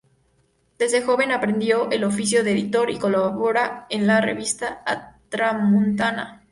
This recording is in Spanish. Desde joven aprendió el oficio de editor y colabora en la revista "A Tramuntana".